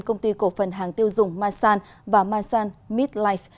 công ty cổ phần hàng tiêu dùng masan và masan meat life